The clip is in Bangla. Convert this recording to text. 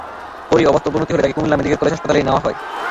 পরে অবস্থার অবনতি হলে তাকে কুমিল্লা মেডিকেল কলেজ হাসপাতালে নেওয়া হয়।